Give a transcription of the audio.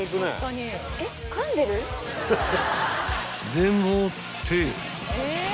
［でもって］